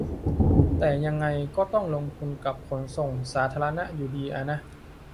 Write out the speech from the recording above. แต่ยังไงก็ต้องลงทุนกับขนส่งสาธารณะอยู่ดีอะนะ